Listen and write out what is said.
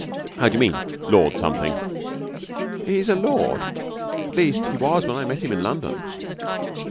'How do you mean, "Lord something"?' 'He's a lord at least, he was when I met him in London.'